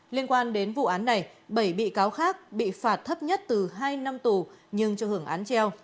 liên quan đến vụ án này bảy bị cáo khác bị phạt thấp nhất từ hai năm tù nhưng cho hưởng án treo